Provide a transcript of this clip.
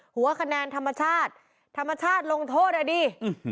หัวคะแนนธรรมชาติธรรมชาติลงโทษอ่ะดิ